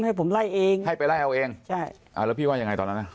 ให้ผมไล่เองให้ไปไล่เอาเองใช่อ่าแล้วพี่ว่ายังไงตอนนั้นอ่ะ